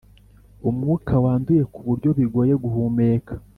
umwuka wanduye kuburyo bigoye guhumeka